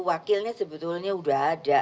wakilnya sebetulnya udah ada